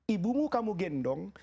ibumu kamu gendong